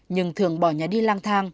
nhưng thường bỏ nhà đi lang thang